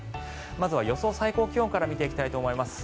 まずは予想最高気温から見ていきたいと思います。